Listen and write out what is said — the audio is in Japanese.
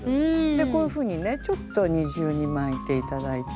こういうふうにねちょっと二重に巻いて頂いて。